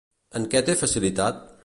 En què té facilitat?